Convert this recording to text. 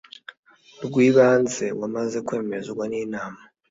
rw ibanze wamaze kwemezwa n Inama